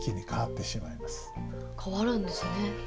変わるんですね。